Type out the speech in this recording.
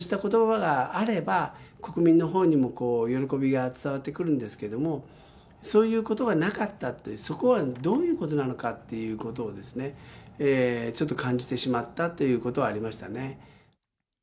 それから上皇ご夫妻から温かいことばを頂いたとかですね、そうしたことばがあれば、国民のほうにも喜びが伝わってくるんですけれども、そういうことがなかったという、そこはどういうことなのかということを、ちょっと感じてしまったということはありましたね。